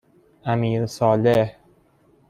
امیرصالح